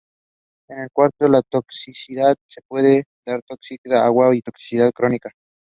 This type of squadron was also named "Naval District Inshore Patrol Squadron".